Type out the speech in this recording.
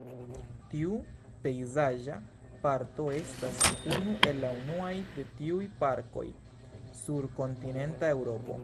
Tiu pejzaĝa parko estas unu el la unuaj de tiuj parkoj sur kontinenta Eŭropo.